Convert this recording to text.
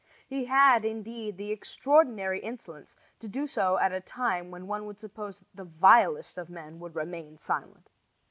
He had, indeed, the extraordinary insolence to do so at a time when one would suppose that the vilest of men would remain silent.